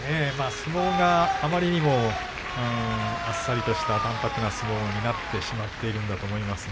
相撲があまりにもあっさりとした淡泊な相撲になってしまっているんだと思いますが。